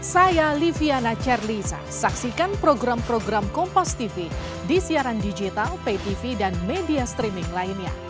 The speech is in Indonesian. saya liviana cerlisa saksikan program program kompastv di siaran digital paytv dan media streaming lainnya